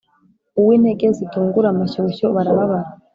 uwintege zitungura amashyoshyo barababara